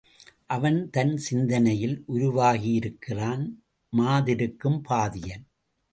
அவன் தன் சிந்தனையில் உருவாகியிருக்கிறான் மாதிருக்கும் பாதியன்.